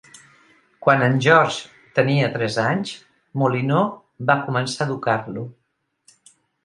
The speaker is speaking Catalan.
Quan en George tenia tres anys, Molineux va començar a educar-lo.